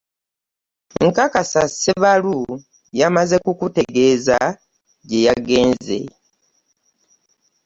Nkakasa Ssebalu yamaze kukutegeeza gye yagenze.